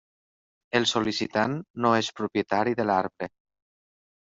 El sol·licitant no és propietari de l'arbre.